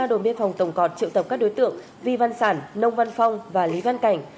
đồn biên phòng tổng cọt triệu tập các đối tượng vi văn sản nông văn phong và lý văn cảnh